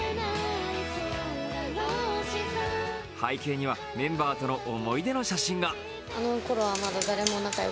背景にはメンバーとの思い出の写真が。